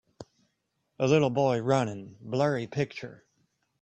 A little boy running, blurry picture.